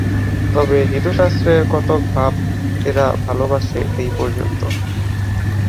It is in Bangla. তবে হিঁদুশাস্ত্রের কতক ভাব এরা ভালবাসে, এই পর্যন্ত।